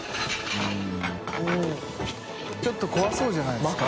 ちょっと怖そうじゃないですか？